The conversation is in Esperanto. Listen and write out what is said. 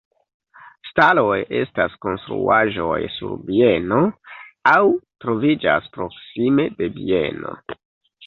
Staloj estas konstruaĵoj sur bieno aŭ troviĝas proksime de bieno.